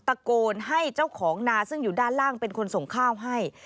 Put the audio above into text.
ตะโกนให้เจ้าของนาซึ่งอยู่ด้านล่างเป็นคนส่งข้าวให้